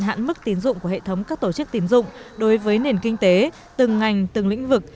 hạn mức tiến dụng của hệ thống các tổ chức tín dụng đối với nền kinh tế từng ngành từng lĩnh vực